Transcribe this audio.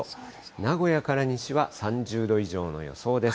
名古屋から西は３０度以上の予想です。